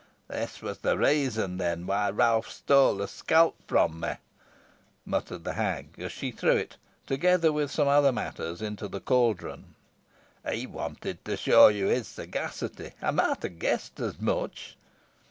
"This was the reason, then, why Ralph stole the scalp from me," muttered the hag, as she threw it, together with some other matters, into the caldron. "He wanted to show you his sagacity. I might have guessed as much."